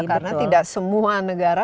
karena tidak semua negara